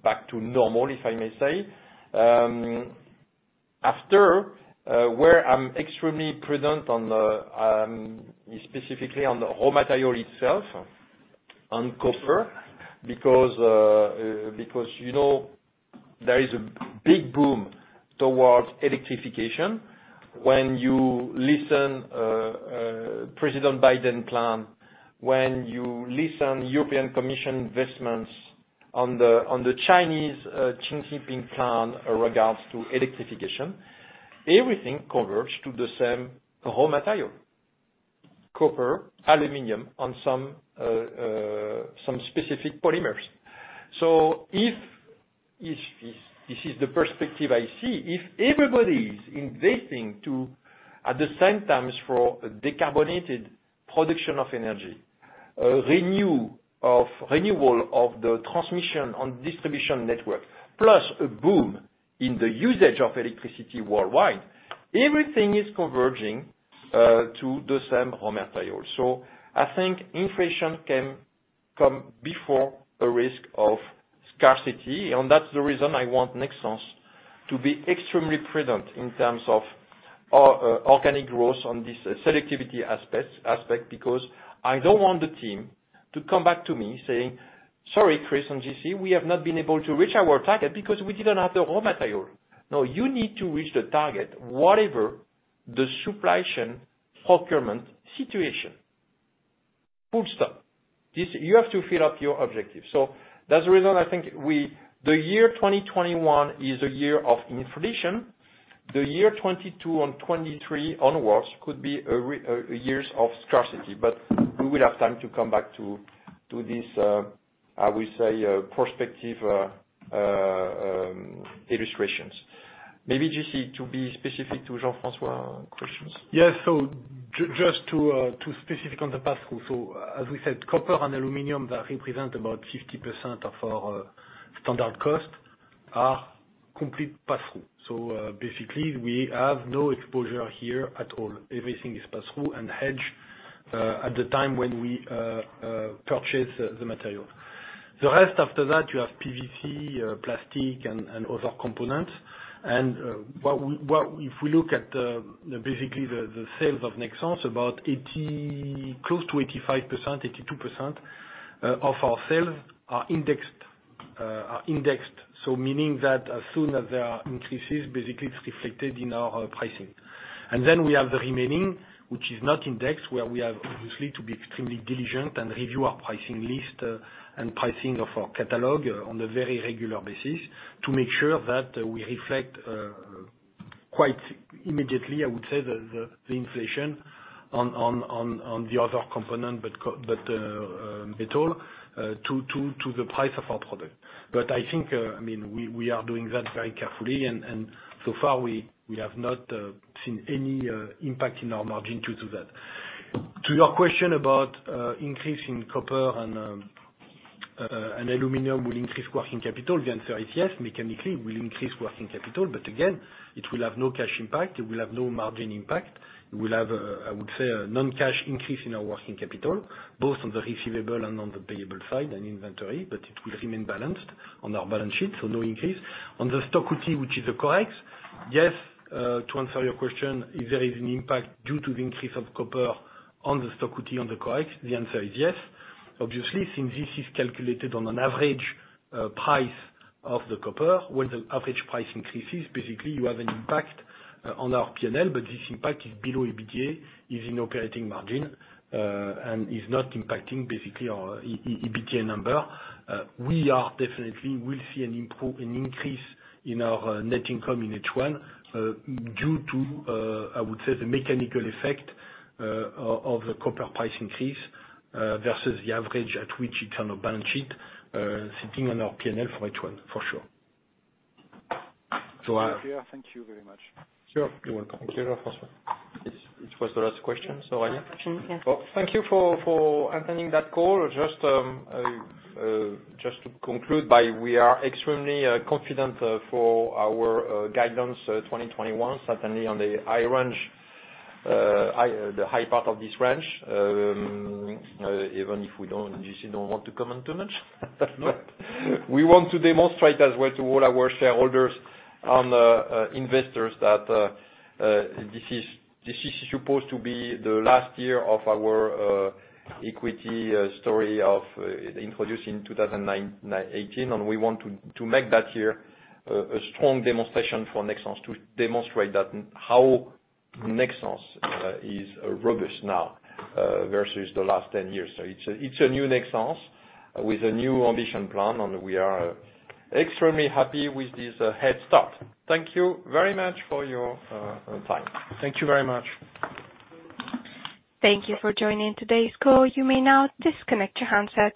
back to normal, if I may say. After, where I'm extremely prudent on, specifically on the raw material itself, on copper because, you know, there is a big boom towards electrification. When you listen, President Biden's plan, when you listen European Commission investments on the [Chinese EV-related investments] Plan in regards to electrification, everything converged to the same raw material: copper, aluminum, and some specific polymers. If this is the perspective I see, if everybody is investing at the same time for a decarbonated production of energy, a renewal of the transmission and distribution network, plus a boom in the usage of electricity worldwide, everything is converging to the same raw materials. I think inflation can come before a risk of scarcity. That's the reason I want Nexans to be extremely prudent in terms of organic growth on this, selectivity aspects aspect because I don't want the team to come back to me saying, "Sorry, Chris and J.C., we have not been able to reach our target because we didn't have the raw material." No. You need to reach the target, whatever the supply chain procurement situation. Full stop. This you have to fill up your objective. That's the reason I think we the year 2021 is a year of inflation. The year 2022 and 2023 onwards could be a years of scarcity. We will have time to come back to this, I will say, prospective illustrations. Maybe, J.C., to be specific to Jean-François questions. Yes. Just to specific on the pass-through. As we said, copper and aluminium that represent about 50% of our standard cost are complete pass-through. Basically, we have no exposure here at all. Everything is pass-through and hedged at the time when we purchase the materials. The rest after that, you have PVC, plastic and other components. What if we look at, basically, the sales of Nexans, about 80% close to 85%, 82% of our sales are indexed. Meaning that as soon as there are increases, basically, it's reflected in our pricing. Then we have the remaining, which is not indexed, where we have, obviously, to be extremely diligent and review our pricing list, and pricing of our catalog on a very regular basis to make sure that we reflect, quite immediately, I would say, the inflation on the other component but metal, to the price of our product. I think, I mean, we are doing that very carefully. So far, we have not seen any impact in our margin due to that. To your question about increase in copper and aluminum will increase working capital, the answer is yes. Mechanically, it will increase working capital. Again, it will have no cash impact. It will have no margin impact. It will have, I would say, a non-cash increase in our working capital, both on the receivable and on the payable side and inventory. It will remain balanced on our balance sheet. No increase. On the stock effect, which is the COREX, yes, to answer your question, if there is an impact due to the increase of copper on the stock effect on the COREX, the answer is yes. Obviously, since this is calculated on an average price of the copper, when the average price increases, basically, you have an impact on our P&L. This impact is below EBITDA, is in operating margin, and is not impacting, basically, our EBITDA number. We are definitely we'll see an increase in our, net income in H1, due to, I would say, the mechanical effect of the copper price increase, versus the average at which it's on our balance sheet, sitting on our P&L for H1, for sure. Thank you. Thank you very much. Sure. You're welcome. Thank you, Jean-François. It's, it was the last question Aurélia? Yes. Thank you for attending that call. Just to conclude by, we are extremely, confident, for our, guidance, 2021, certainly on the high range, the high part of this range, even if we don't J.C. don't want to comment too much. We want to demonstrate as well to all our shareholders and, investors that, this is supposed to be the last year of our, equity, story of, introduced in 2019. We want to make that year a strong demonstration for Nexans to demonstrate how Nexans is robust now versus the last 10 years. It's a new Nexans with a new ambition plan. We are extremely happy with this head start. Thank you very much for your time. Thank you very much. Thank you for joining today's call you may now disconnect your handset.